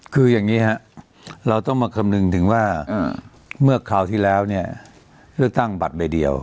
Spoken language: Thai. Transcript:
คืออย่างนี้ครับเราต้องมาคำนึงถึงว่าเมื่อคราวที่แล้วเนี่ยเลือกตั้งบัตรใบเดียว